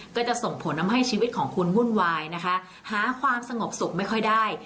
ก็จะส่งผลทำให้ชีวิตของคุณวุ่นวายนะคะหาความสงบสุขไม่ค่อยได้